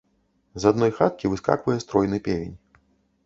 З адной хаткі выскаквае стройны певень.